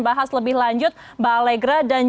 tapi itu makanya ke morals ke geograficitasa